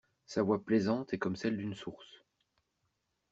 Sa voix plaisante est comme celle d'une source.